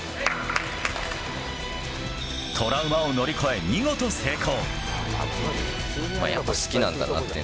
トラウマを乗り越え、見事成功。